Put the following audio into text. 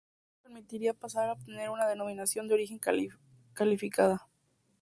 Esto permitiría pasar a obtener una Denominación de Origen Calificada.